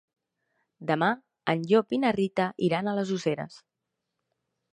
Demà en Llop i na Rita iran a les Useres.